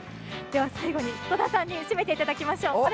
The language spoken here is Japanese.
では最後に戸田さんに締めていただきましょう。